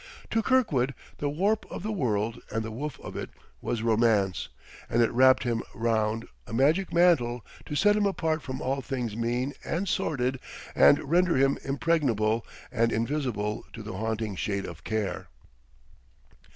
To Kirkwood the warp of the world and the woof of it was Romance, and it wrapped him round, a magic mantle to set him apart from all things mean and sordid and render him impregnable and invisible to the haunting Shade of Care.